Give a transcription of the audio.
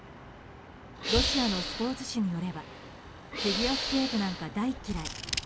ロシアのスポーツ紙によればフィギュアスケートなんか大嫌い。